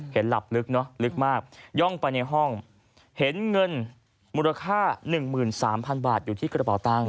เห็นหลับลึกเนอะลึกมากย่องไปในห้องเห็นเงินมูลค่า๑๓๐๐๐บาทอยู่ที่กระเป๋าตังค